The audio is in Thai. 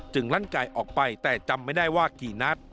ลั่นกายออกไปแต่จำไม่ได้ว่ากี่นัด